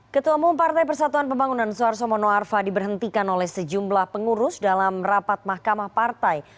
ketua umum partai persatuan pembangunan suarso mono arfa diberhentikan oleh sejumlah pengurus dalam rapat mahkamah partai